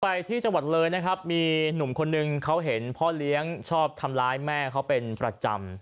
ไปที่จังหวัดเลยนะครับมีหนุ่มคนนึงเขาเห็นพ่อเลี้ยงชอบทำร้ายแม่เขาเป็นประจำ